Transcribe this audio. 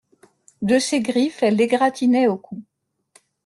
De ses griffes elle l'égratignait au cou.